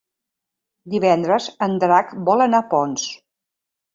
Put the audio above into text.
Divendres en Drac vol anar a Ponts.